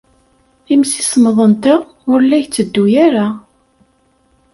Imsismeḍ-nteɣ ur la yetteddu ara.